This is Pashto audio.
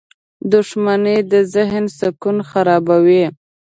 • دښمني د ذهن سکون خرابوي.